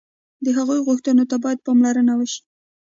د هغوی غوښتنو ته باید پاملرنه وشي.